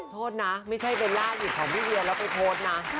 โทษนะไม่ใช่เบลล่าสิบของพี่เวียแล้วแท็กไปโทษนะ